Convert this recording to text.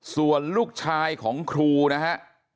ส่วนลูกชายของครูนะฮะ